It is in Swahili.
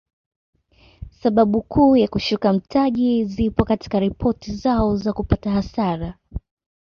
Sababu kuu ya kushuka mtaji zipo katika ripoti zao za kupata hasara